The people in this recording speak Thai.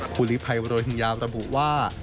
ภูริภัยโรหิงยาระบุว่า